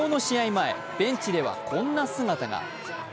前、ベンチではこんな姿が。